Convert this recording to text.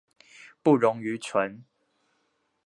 不溶于醇。